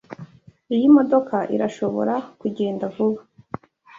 Iyi modoka irashobora kugenda vuba?